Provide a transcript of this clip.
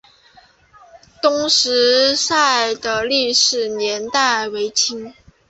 东石寨的历史年代为清。